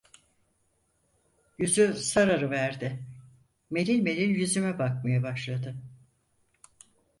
Yüzü sararıverdi, melil melil yüzüme bakmaya başladı.